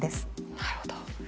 なるほど。